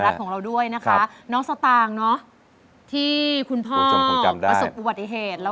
สนุนโดยอีซูซู